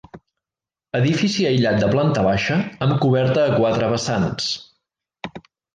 Edifici aïllat de planta baixa amb coberta a quatre vessants.